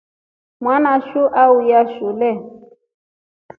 Mwanasu su auya shule.